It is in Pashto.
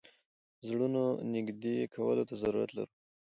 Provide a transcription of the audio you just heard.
زړونو نېږدې کولو ته ضرورت لرو.